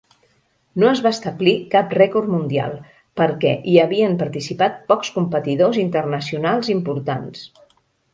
No es va establir cap rècord mundial, perquè hi havien participat pocs competidors internacionals importants.